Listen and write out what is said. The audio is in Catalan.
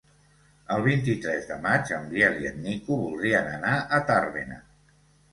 El vint-i-tres de maig en Biel i en Nico voldrien anar a Tàrbena.